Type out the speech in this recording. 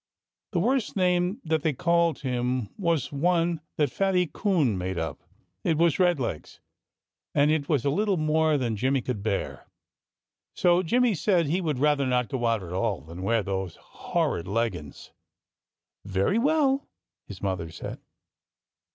The worst name that they called him was one that Fatty Coon made up. It was "Red Legs." And it was a little more than Jimmy could bear. So Jimmy said he would rather not go out at all, than wear those horrid leggins. "Very well!" his mother said.